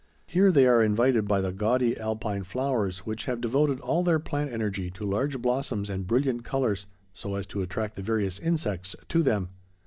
Here they are invited by the gaudy Alpine flowers, which have devoted all their plant energy to large blossoms and brilliant colors, so as to attract the various insects to them.